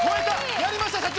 やりました社長！